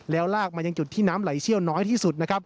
แล้วลากมายังจุดที่น้ำไหลเชี่ยวน้อยที่สุดนะครับ